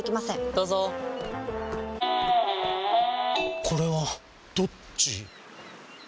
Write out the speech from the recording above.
どうぞこれはどっち？